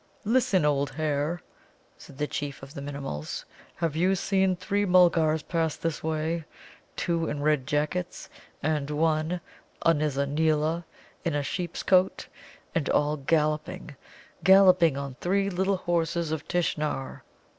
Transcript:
"Listen, old hare," said the chief of the Minimuls. "Have you seen three Mulgars pass this way, two in red jackets, and one, a Nizza neela, in a sheep's coat, and all galloping, galloping, on three Little Horses of Tishnar?"